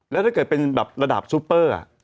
แล้วถ้าเกิดเป็นแบบระดับซูเปอร์